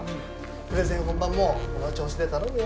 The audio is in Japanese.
プレゼン本番もこの調子で頼むよ。